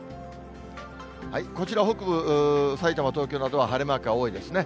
こちら北部、さいたま、東京などは晴れマークが多いですね。